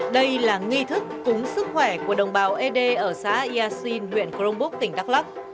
đây là nghi thức cúng sức khỏe của đồng bào ấy đê ở xã yà xuyên huyện crong bốc tỉnh đắk lắk